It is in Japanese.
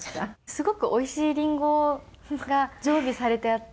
すごくおいしいりんごが常備されてあって。